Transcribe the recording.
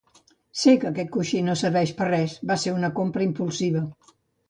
Sé que aquest coixí no serveix per a res, va ser una compra impulsiva.